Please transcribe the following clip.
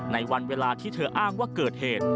ในวันเวลาที่เธออ้างว่าเกิดเหตุ